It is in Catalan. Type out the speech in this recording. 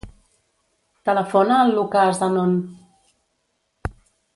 Telefona al Lucà Zanon.